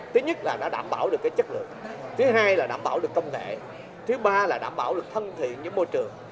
thứ nhất là đã đảm bảo được chất lượng thứ hai là đảm bảo được công nghệ thứ ba là đảm bảo được thân thiện với môi trường